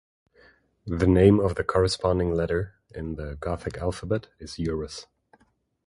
The name of the corresponding letter in the Gothic alphabet is "urus".